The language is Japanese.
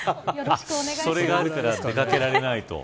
それがあるから出掛けられないと。